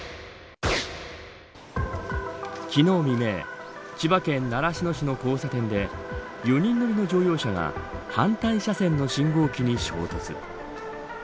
昨日、未明千葉県習志野市の交差点で４人乗りの乗用車が反対車検の信号機に衝突。